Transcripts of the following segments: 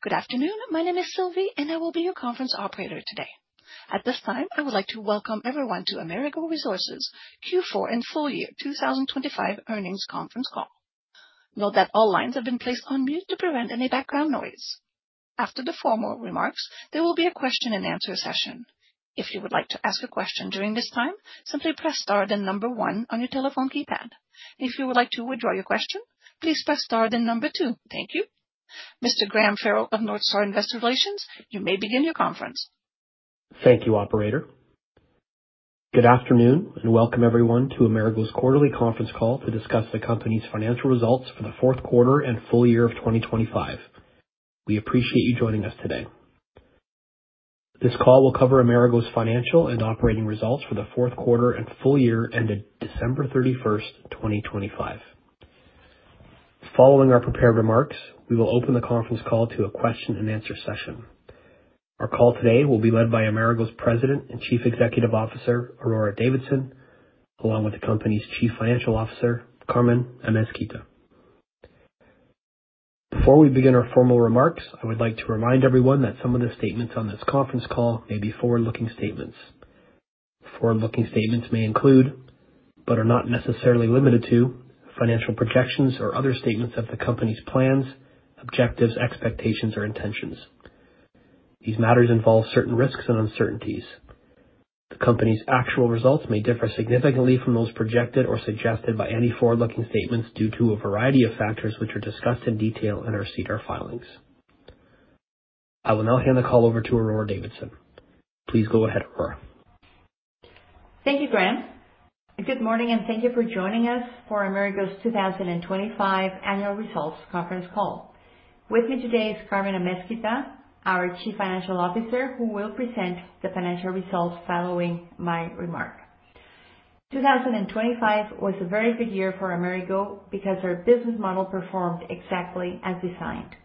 Good afternoon. My name is Sylvie, I will be your conference operator today. At this time, I would like to welcome everyone to Amerigo Resources Q4 and full year 2025 earnings conference call. Note that all lines have been placed on mute to prevent any background noise. After the formal remarks, there will be a question-and-answer session. If you would like to ask a question during this time, simply press star, then number one on your telephone keypad. If you would like to withdraw your question, please press star, then number two. Thank you. Mr. Graham Farrell of North Star Investor Relations, you may begin your conference. Thank you, operator. Good afternoon. Welcome everyone to Amerigo's quarterly conference call to discuss the company's financial results for the fourth quarter and full year of 2025. We appreciate you joining us today. This call will cover Amerigo's financial and operating results for the fourth quarter and full year ended December 31st, 2025. Following our prepared remarks, we will open the conference call to a question-and-answer session. Our call today will be led by Amerigo's President and Chief Executive Officer, Aurora Davidson, along with the company's Chief Financial Officer, Carmen Amézquita. Before we begin our formal remarks, I would like to remind everyone that some of the statements on this conference call may be forward-looking statements. Forward-looking statements may include, but are not necessarily limited to, financial projections or other statements of the company's plans, objectives, expectations, or intentions. These matters involve certain risks and uncertainties. The company's actual results may differ significantly from those projected or suggested by any forward-looking statements due to a variety of factors, which are discussed in detail in our SEDAR filings. I will now hand the call over to Aurora Davidson. Please go ahead, Aurora. Thank you, Graham. Good morning, and thank you for joining us for Amerigo's 2025 annual results conference call. With me today is Carmen Amézquita, our Chief Financial Officer, who will present the financial results following my remark. 2025 was a very good year for Amerigo because our business model performed exactly as designed.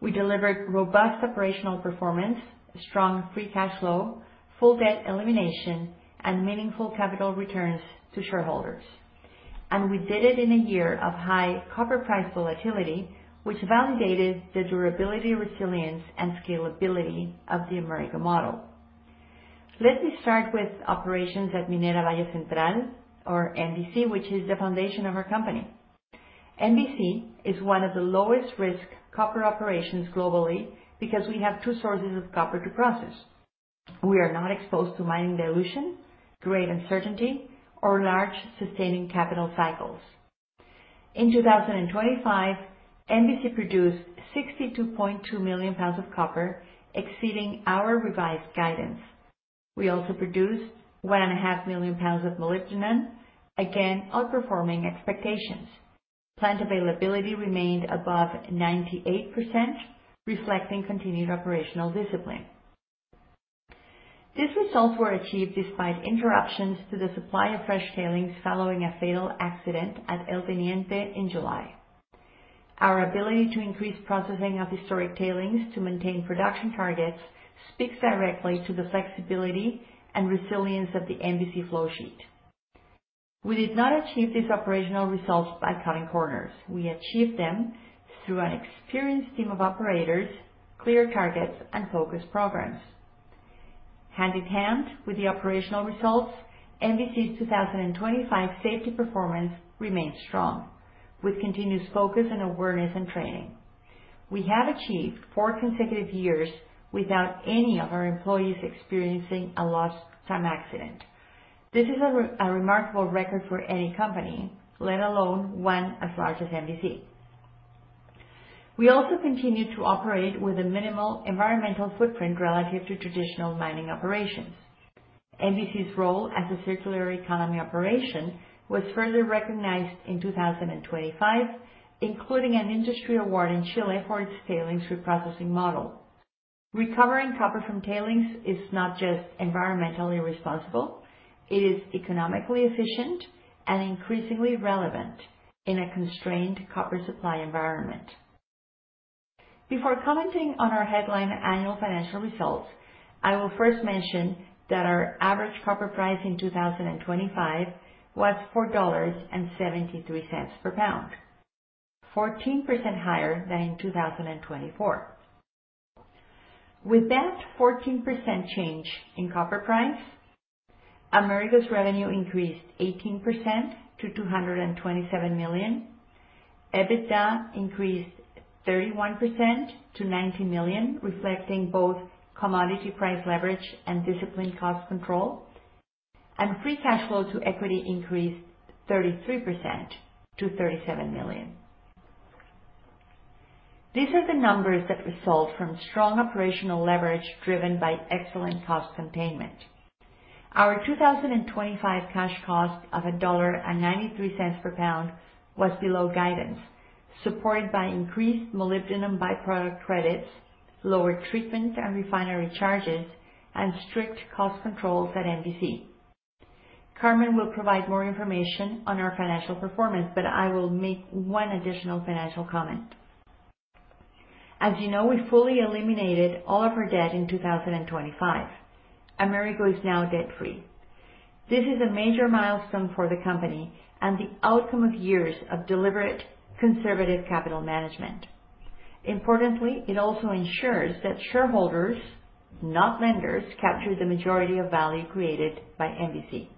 We delivered robust operational performance, strong free cash flow, full debt elimination, and meaningful capital returns to shareholders. We did it in a year of high copper price volatility, which validated the durability, resilience, and scalability of the Amerigo model. Let me start with operations at Minera Valle Central or MVC, which is the foundation of our company. MVC is one of the lowest risk copper operations globally because we have two sources of copper to process. We are not exposed to mining dilution, grade uncertainty, or large sustaining capital cycles. In 2025, MVC produced 62.2 million pounds of copper, exceeding our revised guidance. We also produced 1.5 million pounds of molybdenum, again, outperforming expectations. Plant availability remained above 98%, reflecting continued operational discipline. These results were achieved despite interruptions to the supply of fresh tailings following a fatal accident at El Teniente in July. Our ability to increase processing of historic tailings to maintain production targets speaks directly to the flexibility and resilience of the MVC flow sheet. We did not achieve these operational results by cutting corners. We achieved them through an experienced team of operators, clear targets, and focused programs. Hand in hand with the operational results, MVC's 2025 safety performance remained strong, with continuous focus and awareness and training. We have achieved four consecutive years without any of our employees experiencing a lost time accident. This is a remarkable record for any company, let alone one as large as MVC. We also continued to operate with a minimal environmental footprint relative to traditional mining operations. MVC's role as a circular economy operation was further recognized in 2025, including an industry award in Chile for its tailings reprocessing model. Recovering copper from tailings is not just environmentally responsible, it is economically efficient and increasingly relevant in a constrained copper supply environment. Before commenting on our headline annual financial results, I will first mention that our average copper price in 2025 was $4.73 per pound, 14% higher than in 2024. With that 14% change in copper price, Amerigo's revenue increased 18% to $227 million. EBITDA increased 31% to $90 million, reflecting both commodity price leverage and disciplined cost control, and Free Cash Flow to Equity increased 33% to $37 million. These are the numbers that result from strong operational leverage, driven by excellent cost containment. Our 2025 cash cost of $1.93 per pound was below guidance, supported by increased molybdenum byproduct credits, lower treatment and refinery charges, and strict cost controls at MVC. Carmen will provide more information on our financial performance, but I will make one additional financial comment. As you know, we fully eliminated all of our debt in 2025. Amerigo is now debt-free. This is a major milestone for the company and the outcome of years of deliberate, conservative capital management. Importantly, it also ensures that shareholders, not lenders, capture the majority of value created by MVC.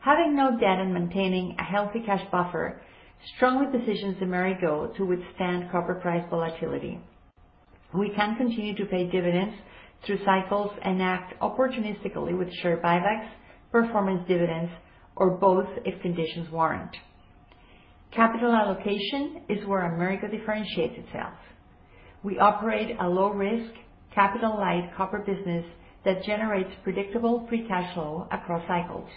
Having no debt and maintaining a healthy cash buffer strongly positions Amerigo to withstand copper price volatility. We can continue to pay dividends through cycles and act opportunistically with share buybacks, performance dividends, or both, if conditions warrant. Capital allocation is where Amerigo differentiates itself. We operate a low-risk, capital-light copper business that generates predictable free cash flow across cycles.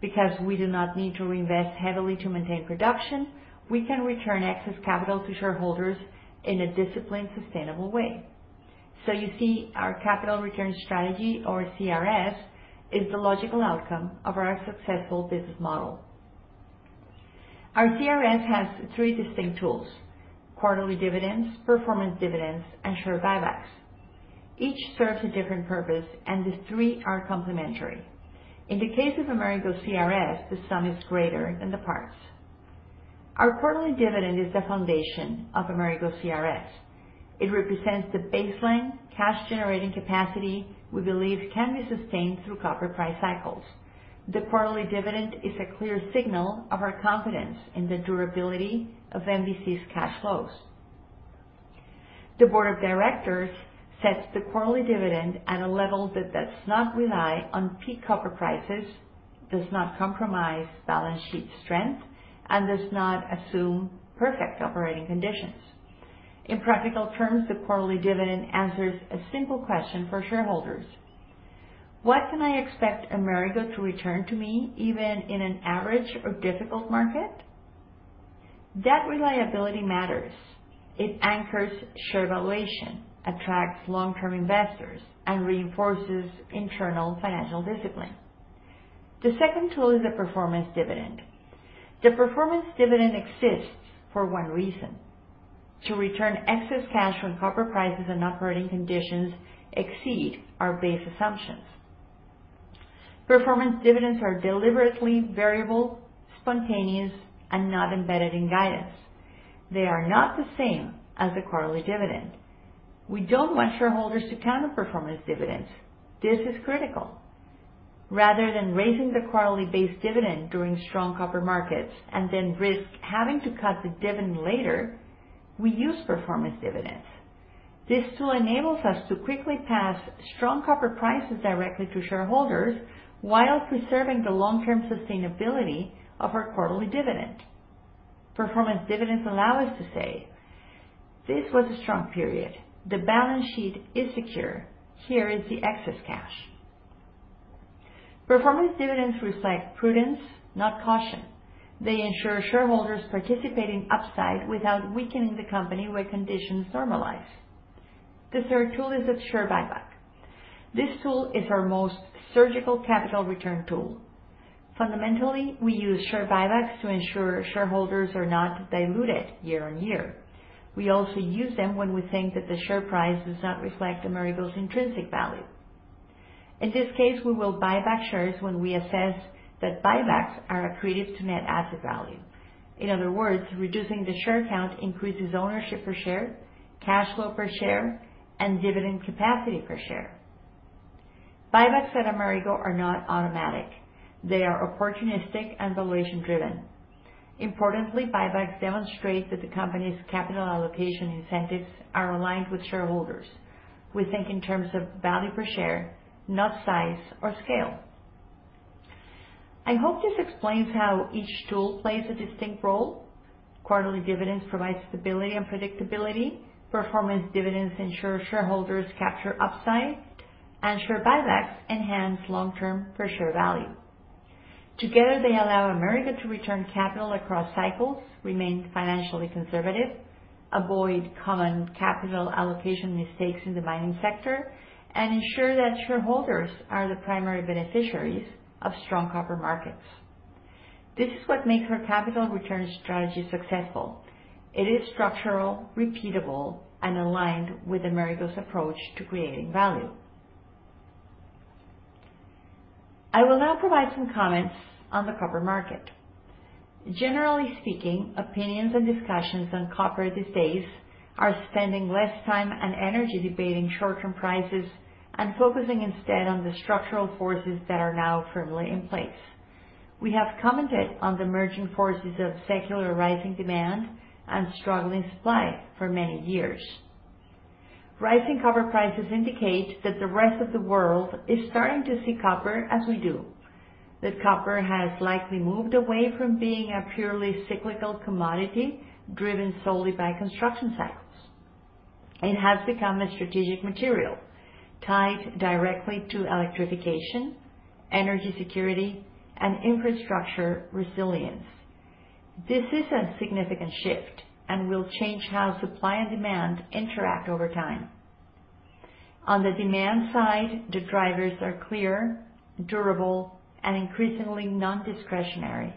Because we do not need to reinvest heavily to maintain production, we can return excess capital to shareholders in a disciplined, sustainable way. You see, our Capital Return Strategy, or CRS, is the logical outcome of our successful business model. Our CRS has three distinct tools: quarterly dividends, performance dividends, and share buybacks. Each serves a different purpose. The three are complementary. In the case of Amerigo CRS, the sum is greater than the parts. Our quarterly dividend is the foundation of Amerigo CRS. It represents the baseline cash-generating capacity we believe can be sustained through copper price cycles. The quarterly dividend is a clear signal of our confidence in the durability of MVC's cash flows. The board of directors sets the quarterly dividend at a level that does not rely on peak copper prices, does not compromise balance sheet strength, and does not assume perfect operating conditions. In practical terms, the quarterly dividend answers a simple question for shareholders: What can I expect Amerigo to return to me, even in an average or difficult market? That reliability matters. It anchors share valuation, attracts long-term investors, and reinforces internal financial discipline. The second tool is a performance dividend. The performance dividend exists for one reason: to return excess cash when copper prices and operating conditions exceed our base assumptions. Performance dividends are deliberately variable, spontaneous, and not embedded in guidance. They are not the same as the quarterly dividend. We don't want shareholders to count on performance dividends. This is critical. Rather than raising the quarterly base dividend during strong copper markets and then risk having to cut the dividend later, we use performance dividends. This tool enables us to quickly pass strong copper prices directly to shareholders while preserving the long-term sustainability of our quarterly dividend. Performance dividends allow us to say, "This was a strong period. The balance sheet is secure. Here is the excess cash." Performance dividends reflect prudence, not caution. They ensure shareholders participate in upside without weakening the company when conditions normalize. The third tool is a share buyback. This tool is our most surgical capital return tool. Fundamentally, we use share buybacks to ensure shareholders are not diluted year-on-year. We also use them when we think that the share price does not reflect Amerigo's intrinsic value. In this case, we will buy back shares when we assess that buybacks are accretive to net asset value. In other words, reducing the share count increases ownership per share, cash flow per share, and dividend capacity per share. Buybacks at Amerigo are not automatic. They are opportunistic and valuation-driven. Importantly, buybacks demonstrate that the company's capital allocation incentives are aligned with shareholders. We think in terms of value per share, not size or scale. I hope this explains how each tool plays a distinct role. Quarterly dividends provide stability and predictability, performance dividends ensure shareholders capture upside, share buybacks enhance long-term per share value. Together, they allow Amerigo to return capital across cycles, remain financially conservative, avoid common capital allocation mistakes in the mining sector, and ensure that shareholders are the primary beneficiaries of strong copper markets. This is what makes our Capital Return Strategy successful. It is structural, repeatable, and aligned with Amerigo's approach to creating value. I will now provide some comments on the copper market. Generally speaking, opinions and discussions on copper these days are spending less time and energy debating short-term prices and focusing instead on the structural forces that are now firmly in place. We have commented on the emerging forces of secular rising demand and struggling supply for many years. Rising copper prices indicate that the rest of the world is starting to see copper as we do, that copper has likely moved away from being a purely cyclical commodity, driven solely by construction cycles. It has become a strategic material tied directly to electrification, energy security, and infrastructure resilience. This is a significant shift and will change how supply and demand interact over time. On the demand side, the drivers are clear, durable, and increasingly non-discretionary.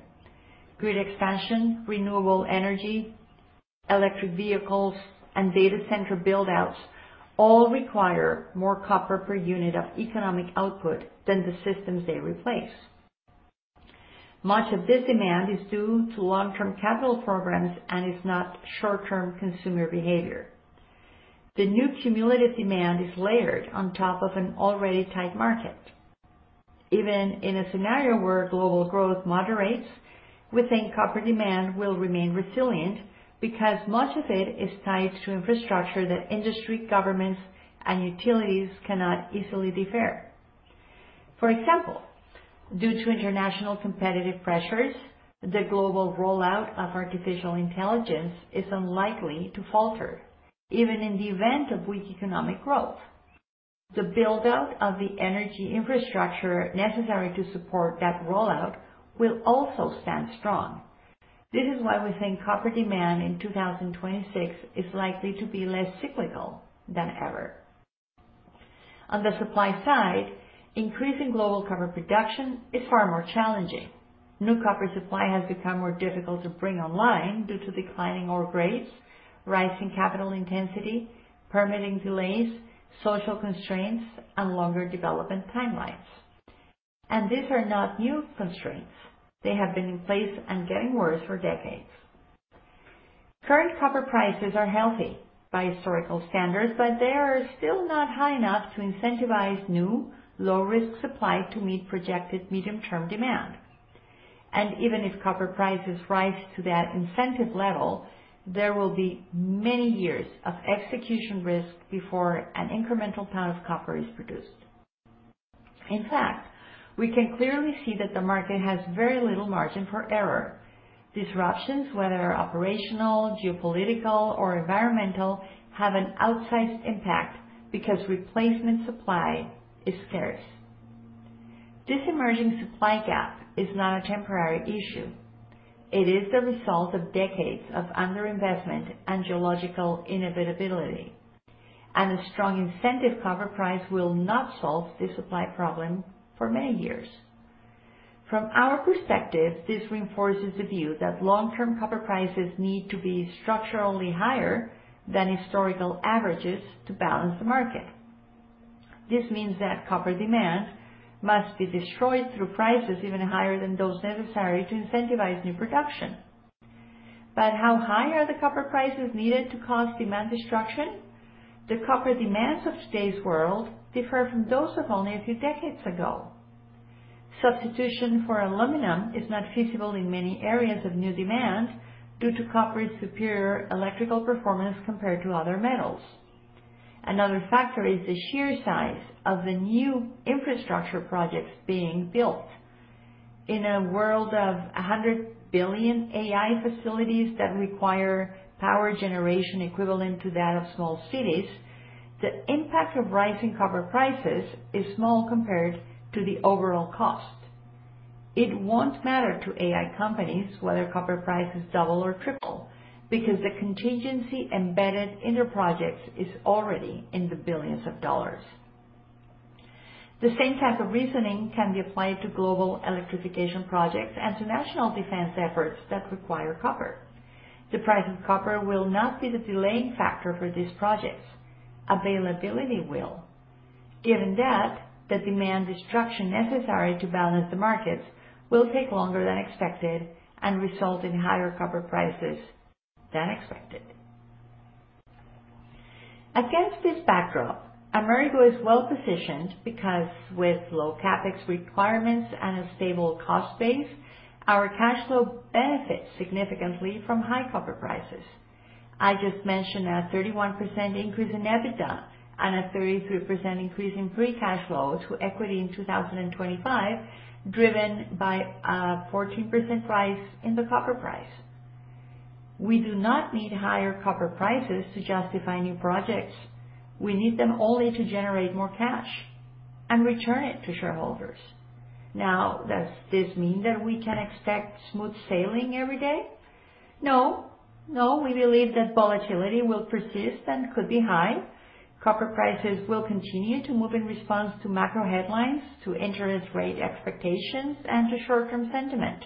Grid expansion, renewable energy, electric vehicles, and data center build-outs all require more copper per unit of economic output than the systems they replace. Much of this demand is due to long-term capital programs and is not short-term consumer behavior. The new cumulative demand is layered on top of an already tight market. Even in a scenario where global growth moderates, we think copper demand will remain resilient because much of it is tied to infrastructure that industry, governments, and utilities cannot easily defer. For example, due to international competitive pressures, the global rollout of artificial intelligence is unlikely to falter, even in the event of weak economic growth. The build-out of the energy infrastructure necessary to support that rollout will also stand strong. This is why we think copper demand in 2026 is likely to be less cyclical than ever. On the supply side, increasing global copper production is far more challenging. New copper supply has become more difficult to bring online due to declining ore grades, rising capital intensity, permitting delays, social constraints, and longer development timelines. These are not new constraints. They have been in place and getting worse for decades. Current copper prices are healthy by historical standards, but they are still not high enough to incentivize new, low-risk supply to meet projected medium-term demand. Even if copper prices rise to that incentive level, there will be many years of execution risk before an incremental pound of copper is produced. In fact, we can clearly see that the market has very little margin for error. Disruptions, whether operational, geopolitical, or environmental, have an outsized impact because replacement supply is scarce. This emerging supply gap is not a temporary issue. It is the result of decades of underinvestment and geological inevitability. A strong incentive copper price will not solve the supply problem for many years. From our perspective, this reinforces the view that long-term copper prices need to be structurally higher than historical averages to balance the market. This means that copper demand must be destroyed through prices even higher than those necessary to incentivize new production. How high are the copper prices needed to cause demand destruction? The copper demands of today's world differ from those of only a few decades ago. Substitution for aluminum is not feasible in many areas of new demand due to copper's superior electrical performance compared to other metals. Another factor is the sheer size of the new infrastructure projects being built. In a world of 100 billion AI facilities that require power generation equivalent to that of small cities, the impact of rising copper prices is small compared to the overall cost. It won't matter to AI companies whether copper prices double or triple, because the contingency embedded in their projects is already in the billions of dollars. The same type of reasoning can be applied to global electrification projects and to national defense efforts that require copper. The price of copper will not be the delaying factor for these projects. Availability will. Given that, the demand destruction necessary to balance the markets will take longer than expected and result in higher copper prices than expected. Against this backdrop, Amerigo is well positioned because with low CapEx requirements and a stable cost base, our cash flow benefits significantly from high copper prices. I just mentioned a 31% increase in EBITDA and a 33% increase in Free Cash Flow to Equity in 2025, driven by a 14% rise in the copper price. We do not need higher copper prices to justify new projects. We need them only to generate more cash and return it to shareholders. Now, does this mean that we can expect smooth sailing every day? No, we believe that volatility will persist and could be high. Copper prices will continue to move in response to macro headlines, to interest rate expectations, and to short-term sentiment.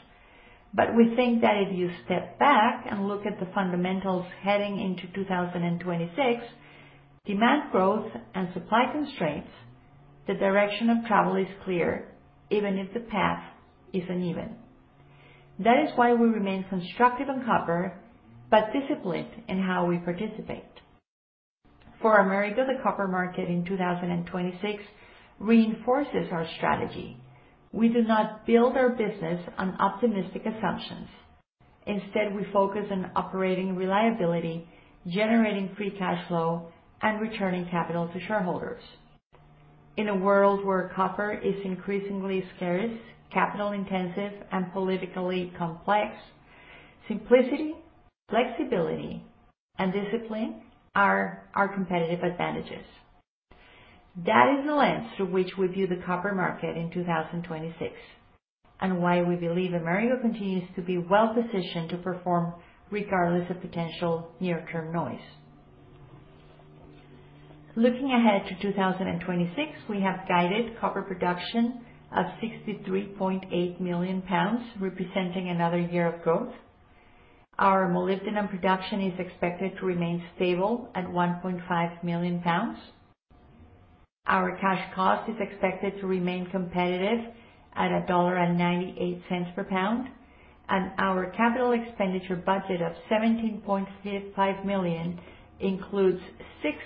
We think that if you step back and look at the fundamentals heading into 2026, demand growth and supply constraints, the direction of travel is clear, even if the path is uneven. That is why we remain constructive on copper, but disciplined in how we participate. For Amerigo, the copper market in 2026 reinforces our strategy. We do not build our business on optimistic assumptions. Instead, we focus on operating reliability, generating free cash flow, and returning capital to shareholders. In a world where copper is increasingly scarce, capital intensive, and politically complex, simplicity, flexibility, and discipline are our competitive advantages. That is the lens through which we view the copper market in 2026, and why we believe Amerigo continues to be well positioned to perform regardless of potential near-term noise. Looking ahead to 2026, we have guided copper production of 63.8 million pounds, representing another year of growth. Our molybdenum production is expected to remain stable at 1.5 million pounds. Our cash cost is expected to remain competitive at $1.98 per pound, and our capital expenditure budget of $17.65 million includes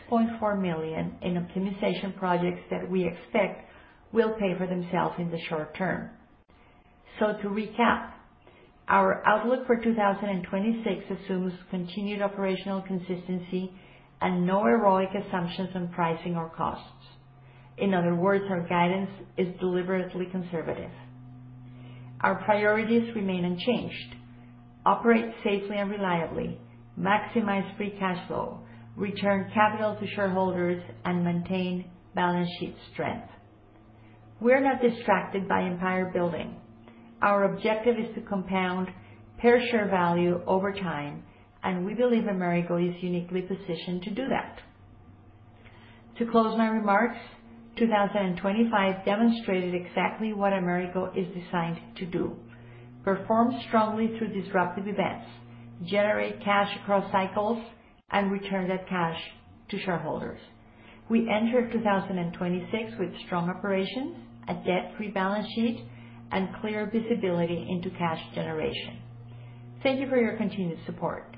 $6.4 million in optimization projects that we expect will pay for themselves in the short term. To recap, our outlook for 2026 assumes continued operational consistency and no heroic assumptions on pricing or costs. In other words, our guidance is deliberately conservative. Our priorities remain unchanged: operate safely and reliably, maximize free cash flow, return capital to shareholders, and maintain balance sheet strength. We're not distracted by empire building. Our objective is to compound per share value over time, and we believe Amerigo is uniquely positioned to do that. To close my remarks, 2025 demonstrated exactly what Amerigo is designed to do: perform strongly through disruptive events, generate cash across cycles, and return that cash to shareholders. We enter 2026 with strong operations, a debt-free balance sheet, and clear visibility into cash generation. Thank you for your continued support.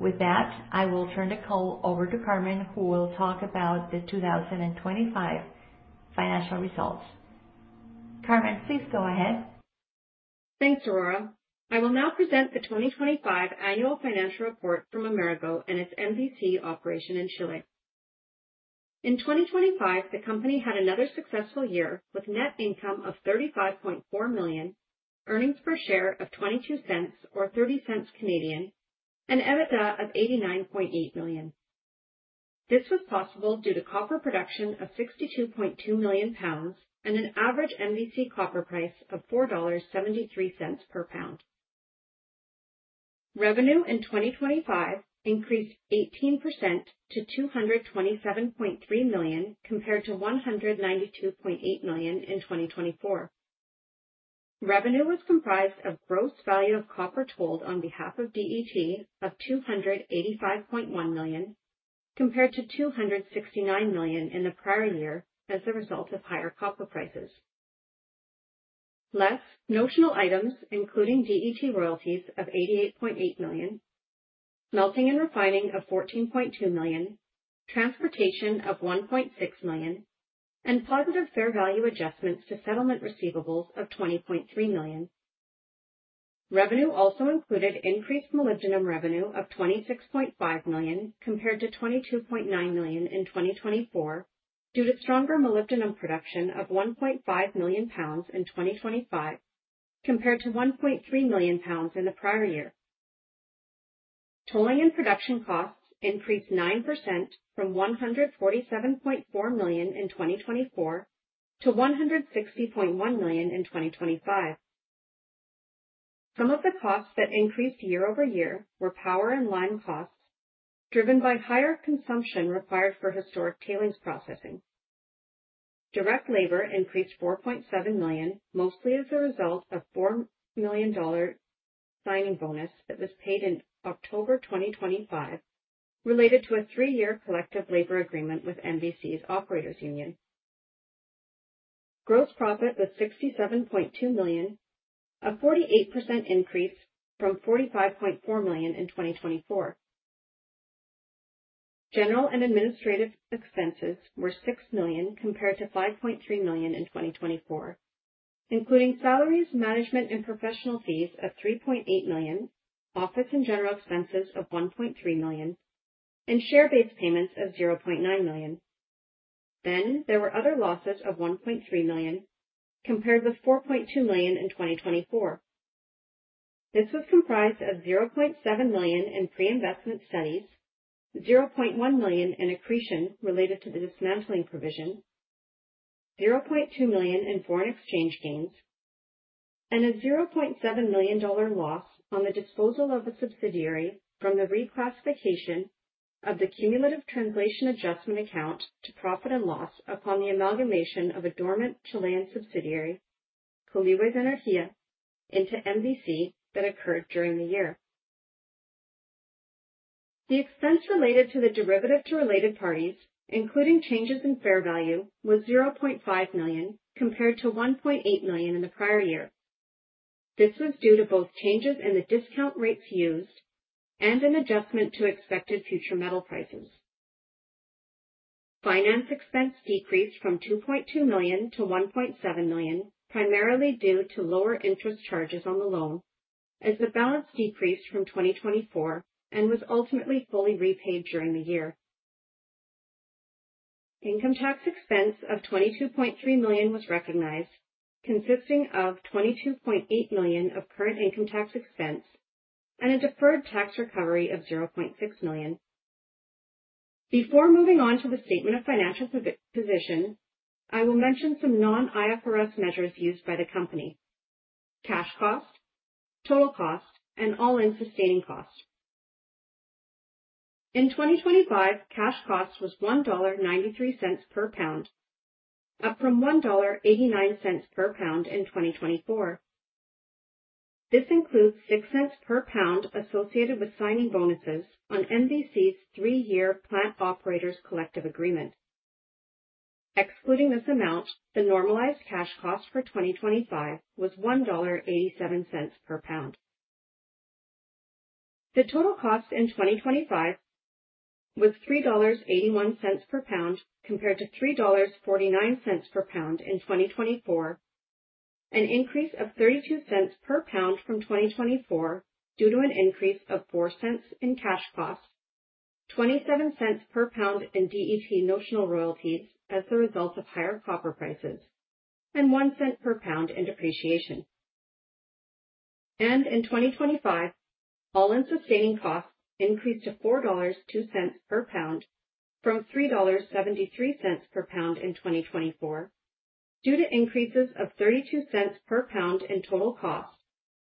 With that, I will turn the call over to Carmen Amézquita, who will talk about the 2025 financial results. Carmen Amézquita, please go ahead. Thanks, Aurora. I will now present the 2025 annual financial report from Amerigo and its MVC operation in Chile. In 2025, the company had another successful year, with net income of $35.4 million, earnings per share of $0.22 or 0.30, and EBITDA of $89.8 million. This was possible due to copper production of 62.2 million pounds and an average MVC copper price of $4.73 per pound. Revenue in 2025 increased 18% to $227.3 million, compared to $192.8 million in 2024. Revenue was comprised of gross value of copper tolled on behalf of DET of $285.1 million, compared to $269 million in the prior year, as a result of higher copper prices. Less notional items, including DET royalties of $88.8 million, melting and refining of $14.2 million, transportation of $1.6 million, and positive fair value adjustments to settlement receivables of $20.3 million. Revenue also included increased molybdenum revenue of $26.5 million, compared to $22.9 million in 2024, due to stronger molybdenum production of 1.5 million pounds in 2025, compared to 1.3 million pounds in the prior year. Tolling and production costs increased 9% from $147.4 million in 2024 to $160.1 million in 2025. Some of the costs that increased year-over-year were power and lime costs, driven by higher consumption required for historic tailings processing. Direct labor increased $4.7 million, mostly as a result of a $4 million signing bonus that was paid in October 2025, related to a 3-year collective labor agreement with MVC's Operators Union. Gross profit was $67.2 million, a 48% increase from $45.4 million in 2024. General and administrative expenses were $6 million, compared to $5.3 million in 2024, including salaries, management, and professional fees of $3.8 million, office and general expenses of $1.3 million, and share-based payments of $0.9 million. There were other losses of $1.3 million, compared with $4.2 million in 2024. This was comprised of $0.7 million in pre-investment studies, $0.1 million in accretion related to the dismantling provision, $0.2 million in foreign exchange gains, and a $0.7 million loss on the disposal of the subsidiary from the reclassification of the cumulative translation adjustment account to profit and loss upon the amalgamation of a dormant Chilean subsidiary, Colihue Energia, into MVC, that occurred during the year. The expense related to the derivative to related parties, including changes in fair value, was $0.5 million, compared to $1.8 million in the prior year. This was due to both changes in the discount rates used and an adjustment to expected future metal prices. Finance expense decreased from $2.2 million to $1.7 million, primarily due to lower interest charges on the loan as the balance decreased from 2024 and was ultimately fully repaid during the year. Income tax expense of $22.3 million was recognized, consisting of $22.8 million of current income tax expense and a deferred tax recovery of $0.6 million. Before moving on to the statement of financial position, I will mention some non-IFRS measures used by the company: cash cost, total cost, and All-in Sustaining Cost. In 2025, cash cost was $1.93 per pound, up from $1.89 per pound in 2024. This includes $0.06 per pound associated with signing bonuses on MVC's three-year plant operators collective agreement. Excluding this amount, the normalized cash cost for 2025 was $1.87 per pound. The total cost in 2025 was $3.81 per pound, compared to $3.49 per pound in 2024, an increase of $0.32 per pound from 2024 due to an increase of $0.04 in cash cost, $0.27 per pound in DET notional royalties as a result of higher copper prices, and $0.01 per pound in depreciation. In 2025, All-in Sustaining Costs increased to $4.02 per pound from $3.73 per pound in 2024, due to increases of $0.32 per pound in total cost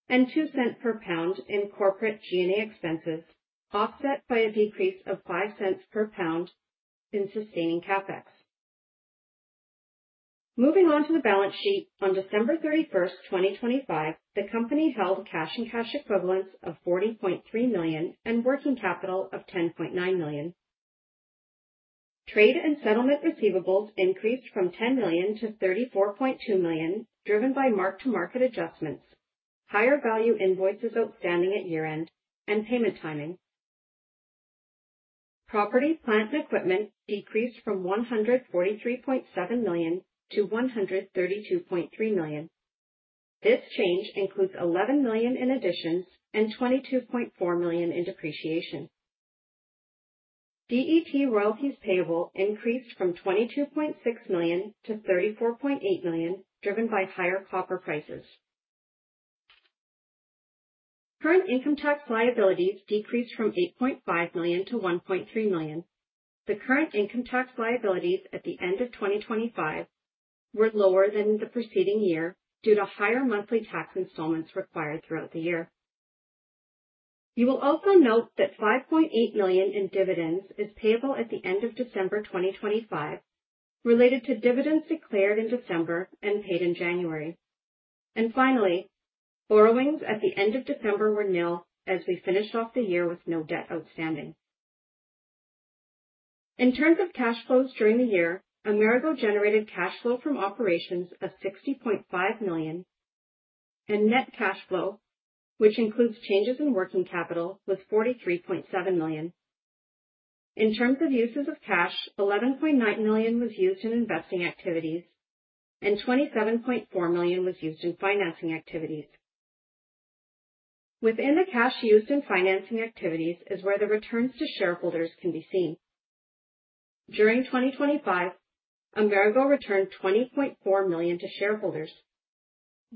and $0.02 per pound in corporate G&A expenses, offset by a decrease of $0.05 per pound in Sustaining CapEx. Moving on to the balance sheet, on December 31, 2025, the company held cash and cash equivalents of $40.3 million and working capital of $10.9 million. Trade and settlement receivables increased from $10 million to $34.2 million, driven by mark-to-market adjustments, higher value invoices outstanding at year-end, and payment timing. Property, plant, and equipment decreased from $143.7 million to $132.3 million. This change includes $11 million in additions and $22.4 million in depreciation. DET royalties payable increased from $22.6 million to $34.8 million, driven by higher copper prices. Current income tax liabilities decreased from $8.5 million to $1.3 million. The current income tax liabilities at the end of 2025 were lower than the preceding year due to higher monthly tax installments required throughout the year. You will also note that $5.8 million in dividends is payable at the end of December 2025, related to dividends declared in December and paid in January. Finally, borrowings at the end of December were nil as we finished off the year with no debt outstanding. In terms of cash flows during the year, Amerigo generated cash flow from operations of $60.5 million, and net cash flow, which includes changes in working capital, was $43.7 million. In terms of uses of cash, $11.9 million was used in investing activities and $27.4 million was used in financing activities. Within the cash used in financing activities is where the returns to shareholders can be seen. During 2025, Amerigo returned $20.4 million to shareholders.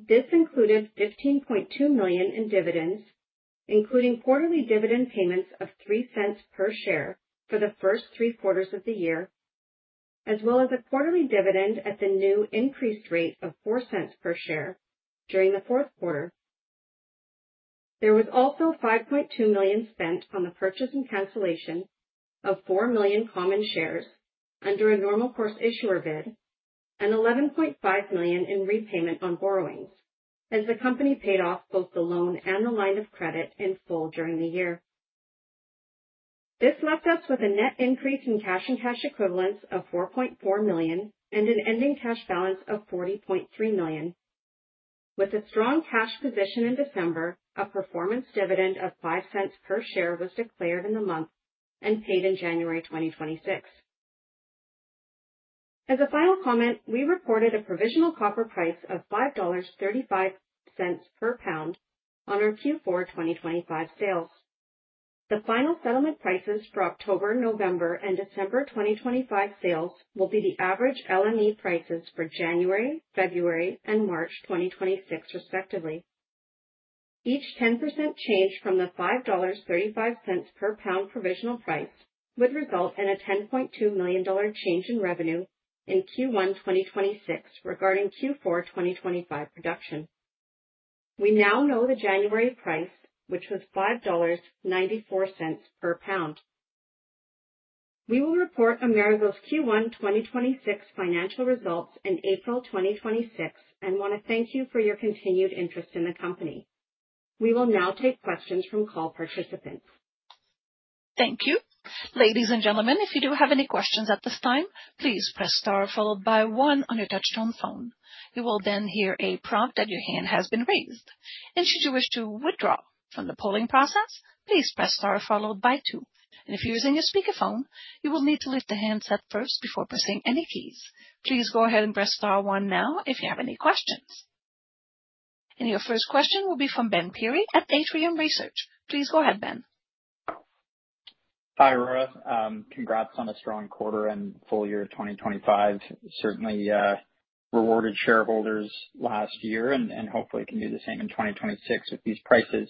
This included $15.2 million in dividends, including quarterly dividend payments of $0.03 per share for the first three quarters of the year, as well as a quarterly dividend at the new increased rate of $0.04 per share during the fourth quarter. There was also $5.2 million spent on the purchase and cancellation of 4 million common shares under a Normal Course Issuer Bid and $11.5 million in repayment on borrowings, as the company paid off both the loan and the line of credit in full during the year. This left us with a net increase in cash and cash equivalents of $4.4 million and an ending cash balance of $40.3 million. With a strong cash position in December, a performance dividend of 5 cents per share was declared in the month and paid in January 2026. As a final comment, we reported a provisional copper price of $5.35 per pound on our Q4 2025 sales. The final settlement prices for October, November, and December 2025 sales will be the average LME prices for January, February, and March 2026, respectively. Each 10% change from the $5.35 per pound provisional price would result in a $10.2 million change in revenue in Q1 2026 regarding Q4 2025 production. We now know the January price, which was $5.94 per pound. We will report Amerigo's Q1 2026 financial results in April 2026, and want to thank you for your continued interest in the company. We will now take questions from call participants. Thank you. Ladies and gentlemen, if you do have any questions at this time, please press star followed by one on your touch-tone phone. You will then hear a prompt that your hand has been raised, and should you wish to withdraw from the polling process, please press star followed by two. If you're using a speakerphone, you will need to lift the handset first before pressing any keys. Please go ahead and press star one now if you have any questions. Your first question will be from Ben Pirie at Atrium Research. Please go ahead, Ben. Hi, Aurora. Congrats on a strong quarter and full year of 2025. Certainly, rewarded shareholders last year and hopefully can do the same in 2026 with these prices.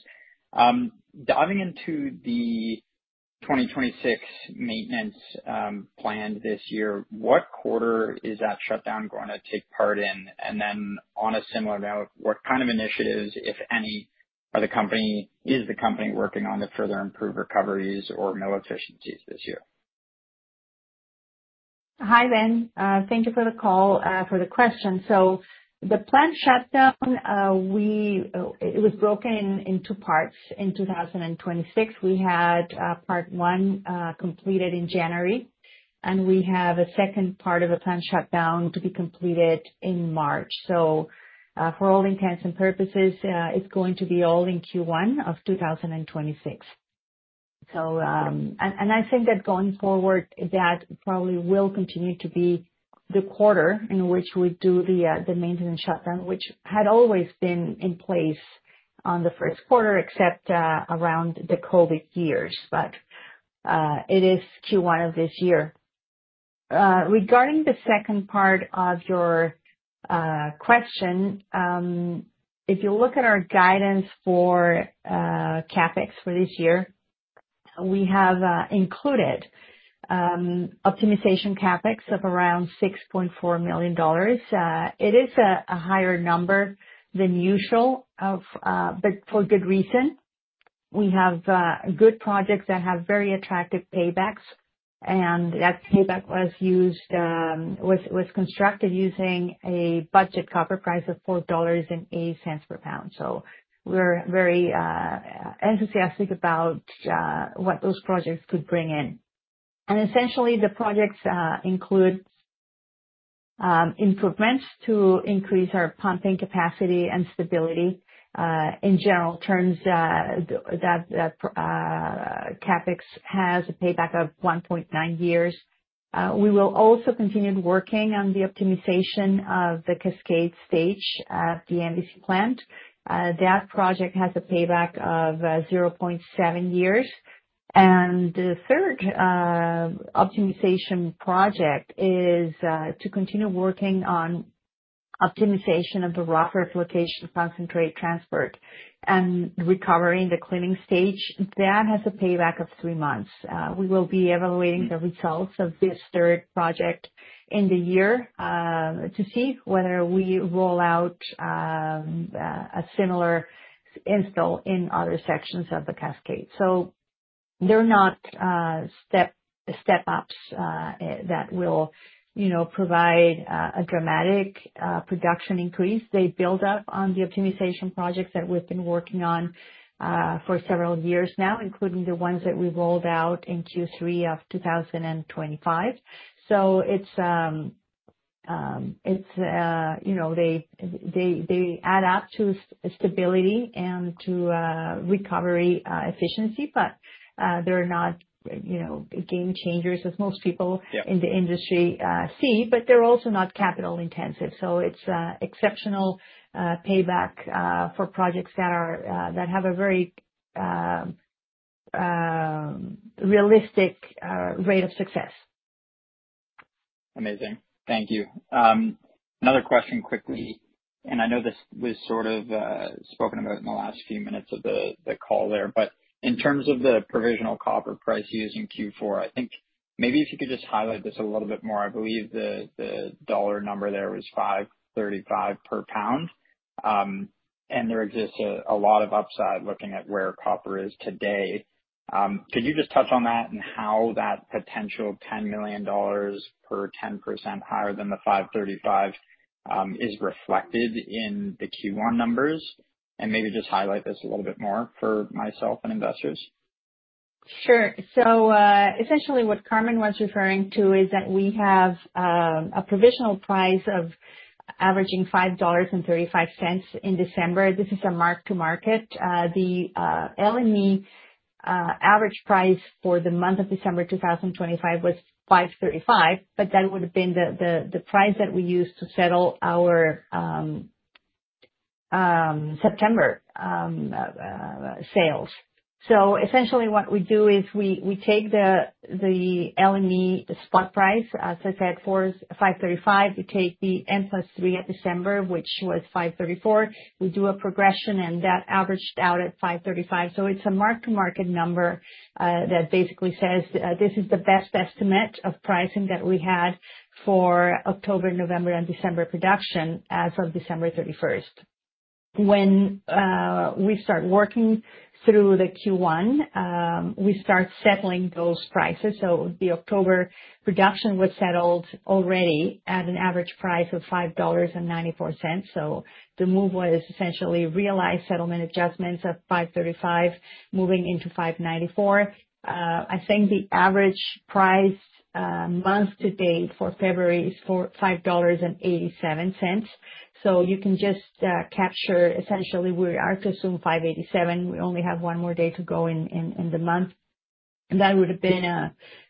Diving into 2026 maintenance plan this year, what quarter is that shutdown going to take part in? On a similar note, what kind of initiatives, if any, is the company working on to further improve recoveries or mill efficiencies this year? Hi, Ben. Thank you for the call, for the question. The plant shutdown, we, it was broken into parts in 2026. We had part one completed in January, and we have a second part of the plant shutdown to be completed in March. For all intents and purposes, it's going to be all in Q1 of 2026. And I think that going forward, that probably will continue to be the quarter in which we do the maintenance shutdown, which had always been in place on the first quarter, except around the COVID years. It is Q1 of this year. Regarding the second part of your question, if you look at our guidance for CapEx for this year, we have included optimization CapEx of around $6.4 million. It is a higher number than usual for good reason. We have good projects that have very attractive paybacks, that payback was constructed using a budget copper price of $4.08 per pound. We're very enthusiastic about what those projects could bring in. Essentially, the projects include improvements to increase our pumping capacity and stability. In general terms, that CapEx has a payback of 1.9 years. We will also continue working on the optimization of the cascade stage at the MVC plant. That project has a payback of 0.7 years. The third optimization project is to continue working on optimization of the rougher flotation concentrate transport and recovering the cleaning stage. That has a payback of three months. We will be evaluating the results of this third project in the year to see whether we roll out a similar install in other sections of the cascade. They're not step ups that will, you know, provide a dramatic production increase. They build up on the optimization projects that we've been working on for several years now, including the ones that we rolled out in Q3 of 2025. It's, you know, they add up to stability and to recovery, efficiency, but they're not, you know, game changers as most people. Yeah. In the industry, see, they're also not capital intensive, so it's exceptional payback for projects that have a very realistic rate of success. Amazing. Thank you. Another question quickly. I know this was sort of spoken about in the last few minutes of the call there, but in terms of the provisional copper price used in Q4, I think maybe if you could just highlight this a little bit more. I believe the dollar number there was $5.35 per pound. There exists a lot of upside looking at where copper is today. Could you just touch on that and how that potential $10 million per 10% higher than the $5.35, is reflected in the Q1 numbers? Maybe just highlight this a little bit more for myself and investors. Sure. Essentially what Carmen was referring to is that we have a provisional price of averaging $5.35 in December. This is a mark-to-market. The LME average price for the month of December 2025 was $5.35, but that would have been the price that we used to settle our September sales. Essentially what we do is we take the LME, the spot price, as I said, $5.35. We take the M+3 at December, which was $5.34. We do a progression, and that averaged out at $5.35. It's a mark-to-market number that basically says this is the best estimate of pricing that we had for October, November, and December production as of December 31st. When we start working through the Q1, we start settling those prices. The October production was settled already at an average price of $5.94. The move was essentially realized settlement adjustments of $5.35 moving into $5.94. I think the average price month to date for February is $5.87. You can just capture essentially, we are to assume $5.87. We only have one more day to go in the month, and that would have been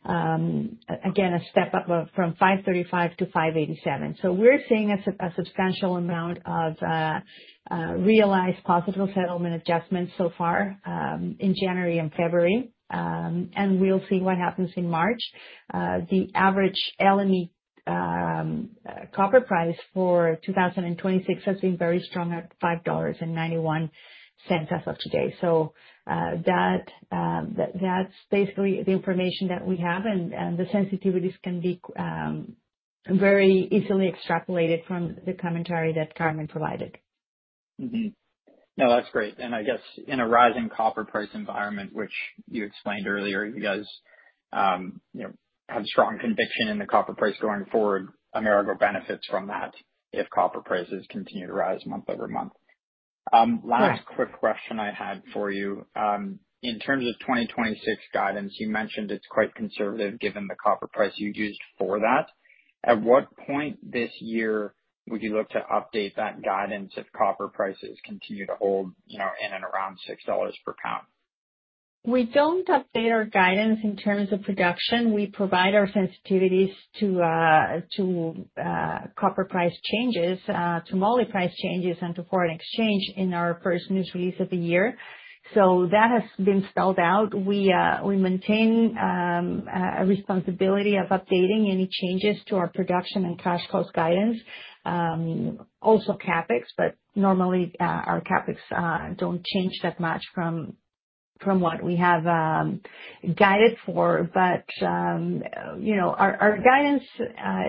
again, a step up from $5.35 to $5.87. We're seeing a substantial amount of realized positive settlement adjustments so far in January and February. We'll see what happens in March. The average LME. Copper price for 2026 has been very strong at $5.91 as of today. that's basically the information that we have, and the sensitivities can be very easily extrapolated from the commentary that Carmen provided. No, that's great. I guess in a rising copper price environment, which you explained earlier, you guys, you know, have strong conviction in the copper price going forward, Amerigo benefits from that if copper prices continue to rise month-over-month. Right. Last quick question I had for you. In terms of 2026 guidance, you mentioned it's quite conservative given the copper price you used for that. At what point this year would you look to update that guidance if copper prices continue to hold, you know, in and around $6 per pound? We don't update our guidance in terms of production. We provide our sensitivities to copper price changes, to moly price changes and to foreign exchange in our first news release of the year. That has been spelled out. We maintain a responsibility of updating any changes to our production and cash cost guidance. Also CapEx, normally our CapEx don't change that much from what we have guided for. You know, our guidance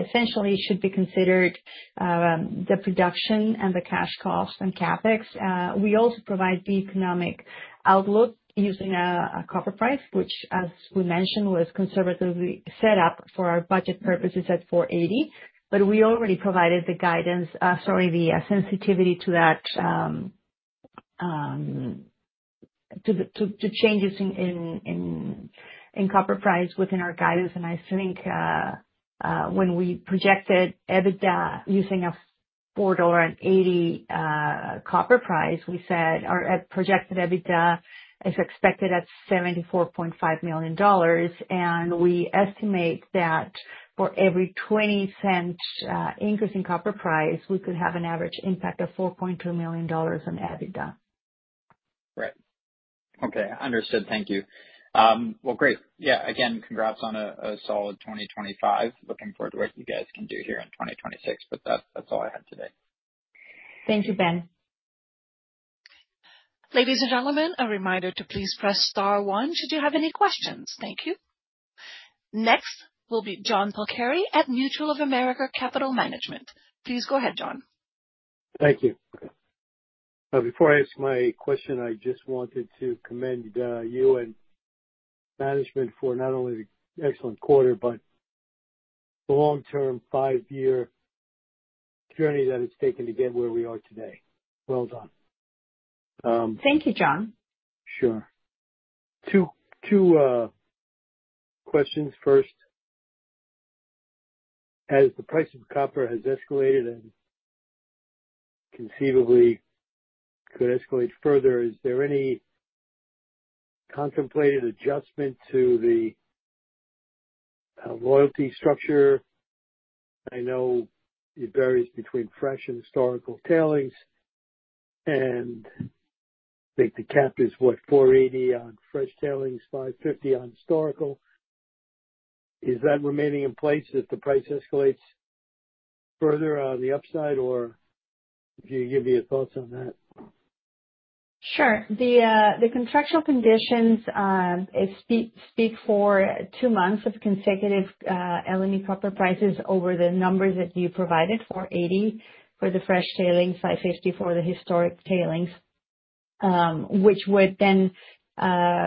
essentially should be considered the production and the cash costs and CapEx. We also provide the economic outlook using a copper price, which, as we mentioned, was conservatively set up for our budget purposes at $4.80. We already provided the guidance, the sensitivity to that to the changes in copper price within our guidance. I think, when we projected EBITDA using a $4.80 copper price, we said our projected EBITDA is expected at $74.5 million, and we estimate that for every $0.20 increase in copper price, we could have an average impact of $4.2 million on EBITDA. Right. Okay, understood. Thank you. Well, great. Yeah, again, congrats on a solid 2025. Looking forward to what you guys can do here in 2026. That's all I had today. Thank you, Ben. Ladies and gentlemen, a reminder to please press star one should you have any questions. Thank you. Next will be John Picchietti at Mutual of America Capital Management. Please go ahead, John. Thank you. Before I ask my question, I just wanted to commend, you and management for not only the excellent quarter, but the long-term five-year journey that it's taken to get where we are today. Well done. Thank you, John. Sure. Two questions. First, as the price of copper has escalated and conceivably could escalate further, is there any contemplated adjustment to the royalty structure? I know it varies between fresh and historic tailings, and I think the cap is, what, $4.80 on fresh tailings, $5.50 on historical. Is that remaining in place if the price escalates further on the upside, or can you give me your thoughts on that? Sure. The contractual conditions it speak for two months of consecutive LME copper prices over the numbers that you provided, 480 for the fresh tailings, 550 for the historic tailings, which would then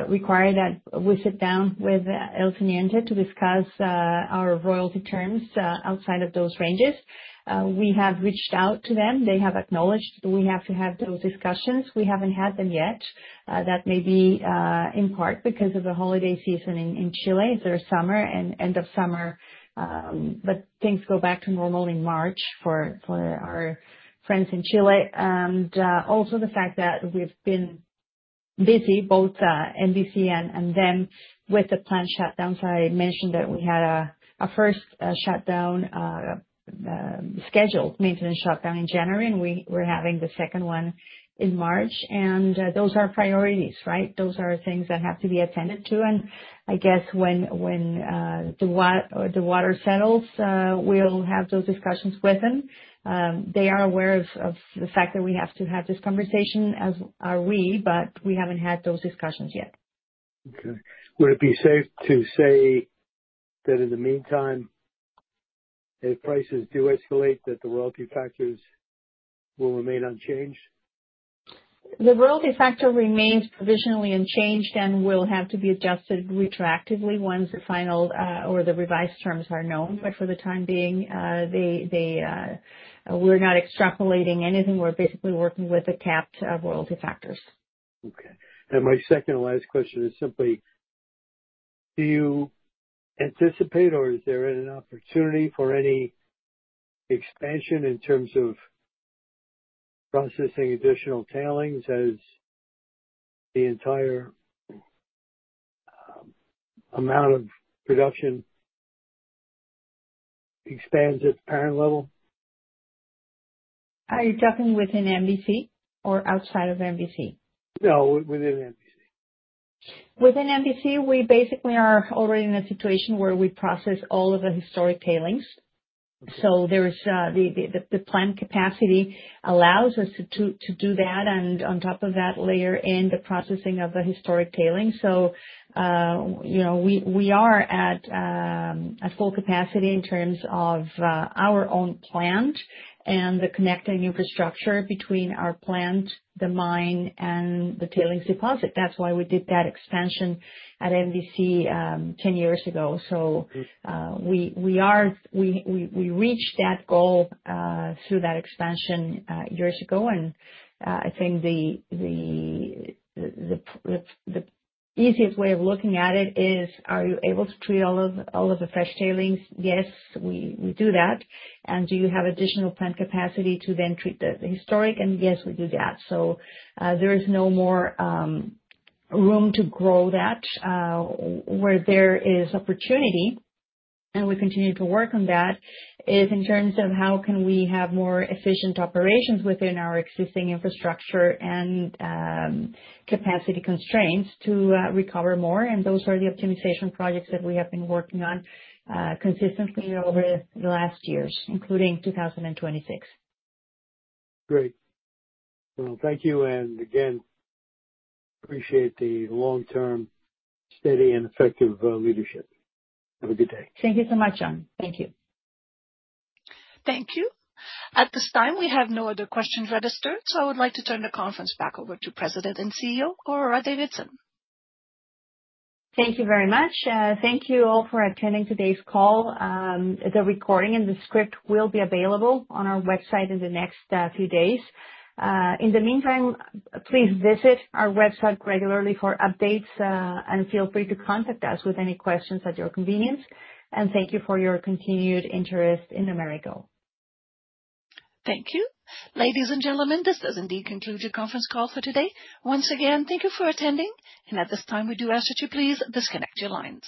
require that we sit down with El Teniente to discuss our royalty terms outside of those ranges. We have reached out to them. They have acknowledged that we have to have those discussions. We haven't had them yet. That may be in part because of the holiday season in Chile. It's their summer and end of summer, but things go back to normal in March for our friends in Chile. Also the fact that we've been busy, both MVC and then with the plant shutdown. I mentioned that we had a 1st scheduled maintenance shutdown in January, and we're having the 2nd one in March. Those are priorities, right? Those are things that have to be attended to. I guess when the water settles, we'll have those discussions with them. They are aware of the fact that we have to have this conversation, as are we, but we haven't had those discussions yet. Okay. Would it be safe to say that in the meantime, if prices do escalate, that the royalty factors will remain unchanged? The royalty factor remains provisionally unchanged and will have to be adjusted retroactively once the final, or the revised terms are known. For the time being, they, we're not extrapolating anything. We're basically working with the capped, royalty factors. Okay. My second and last question is simply: Do you anticipate, or is there an opportunity for any expansion in terms of processing additional tailings as the entire amount of production expands at the current level? Are you talking within MVC or outside of MVC? No, within MVC. Within MVC, we basically are already in a situation where we process all of the historic tailings. There is the plant capacity allows us to do that, and on top of that, layer in the processing of the historic tailings. You know, we are at full capacity in terms of our own plant and the connecting infrastructure between our plant, the mine, and the tailings deposit. That's why we did that expansion at MVC, 10 years ago. We reached that goal through that expansion years ago. I think the easiest way of looking at it is, are you able to treat all of the fresh tailings? Yes, we do that. Do you have additional plant capacity to then treat the historic? Yes, we do that. There is no more room to grow that. Where there is opportunity, and we continue to work on that, is in terms of how can we have more efficient operations within our existing infrastructure and capacity constraints to recover more. Those are the optimization projects that we have been working on consistently over the last years, including 2026. Great. Well, thank you, and again, appreciate the long-term, steady, and effective leadership. Have a good day. Thank you so much, John. Thank you. Thank you. At this time, we have no other questions registered, so I would like to turn the conference back over to President and CEO, Aurora Davidson. Thank you very much. Thank you all for attending today's call. The recording and the script will be available on our website in the next few days. In the meantime, please visit our website regularly for updates, and feel free to contact us with any questions at your convenience. Thank you for your continued interest in Amerigo. Thank you. Ladies and gentlemen, this does indeed conclude the conference call for today. Once again, thank you for attending. At this time, we do ask that you please disconnect your lines.